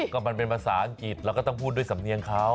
ก็มันเป็นภาษาอังกฤษเราก็ต้องพูดด้วยสำเนียงเขา